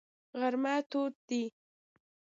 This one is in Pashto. غرمه تود دی.